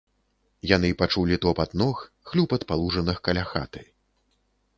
Яны пачулі тупат ног, хлюпат па лужынах каля хаты.